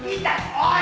おい！